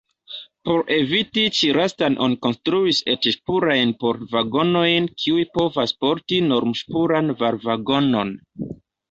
Por eviti ĉi-lastan oni konstruis et-ŝpurajn port-vagonojn, kiuj povas porti norm-ŝpuran var-vagonon.